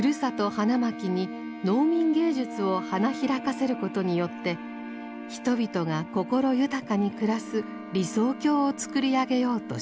花巻に農民芸術を花開かせることによって人々が心豊かに暮らす理想郷をつくり上げようとしました。